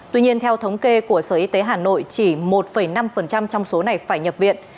tuy nhiên theo thống kê của sở y tế hà nội chỉ một năm trong số này phải nhập viện